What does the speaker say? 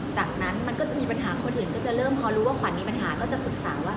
จากนั้นมันก็จะมีปัญหาคนอื่นก็จะเริ่มพอรู้ว่าขวัญมีปัญหาก็จะปรึกษาว่า